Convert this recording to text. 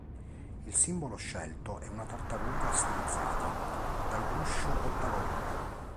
Il simbolo scelto è una tartaruga stilizzata, dal guscio ottagonale.